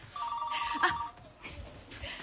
☎あっ。